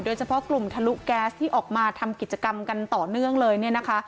เฉพาะกลุ่มทะลุแก๊สที่ออกมาทำกิจกรรมกันต่อเนื่องเลยเนี่ยนะคะ